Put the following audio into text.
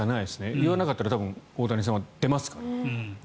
言わなかったら多分、大谷さんは出ますから。